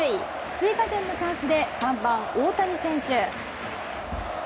追加点のチャンスで３番、大谷選手。